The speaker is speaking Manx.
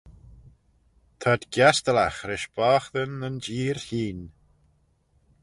t'ad giastyllagh rish boghtyn nyn jeer hene.